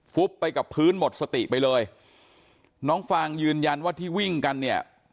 ฟุบไปกับพื้นหมดสติไปเลยน้องฟางยืนยันว่าที่วิ่งกันเนี่ย